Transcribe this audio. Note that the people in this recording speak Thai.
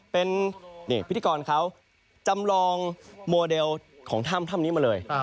เป็นพิธีกรเขาจำลองโมเดลของถ้ำนี้มาเลย